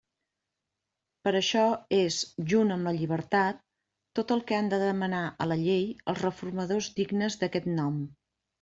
Però això és, junt amb la llibertat, tot el que han de demanar a la llei els reformadors dignes d'aquest nom.